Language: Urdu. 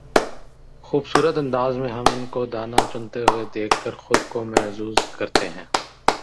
خوبصورت انداز میں ہم ان کو دانہ چنتے ہوئے دیکھ کر خود کو محظوظ کرتے ہیں